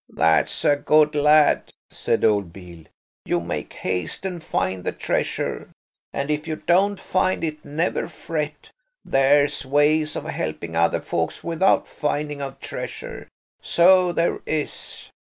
"That's a good lad," said old Beale, "you make haste and find the treasure. And if you don't find it never fret; there's ways of helping other folks without finding of treasure, so there is.